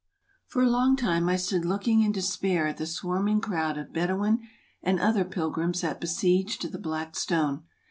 For a long time I stood looking in despair at the swarm ing crowd of Bedouin and other pilgrims that besieged the Black Stone.